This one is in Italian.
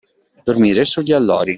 Dormire sugli allori.